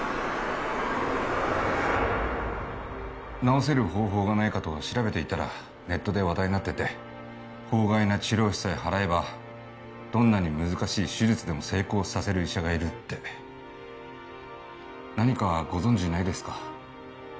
治せる方法がないかと調べていたらネットで話題になってて法外な治療費さえ払えばどんなに難しい手術でも成功させる医者がいるって何かご存じないですか？